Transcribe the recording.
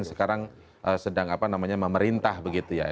sekarang sedang apa namanya memerintah begitu ya